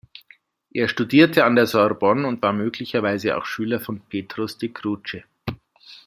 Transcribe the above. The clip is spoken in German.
Er studierte an der Sorbonne und war möglicherweise auch Schüler von Petrus de Cruce.